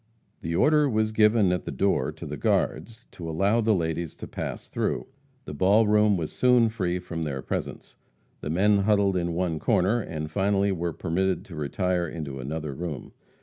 The order was given at the door to the guards to to allow the ladies to pass through. The ball room was soon free from their presence. The men huddled in one corner, and finally were permitted to retire into another room.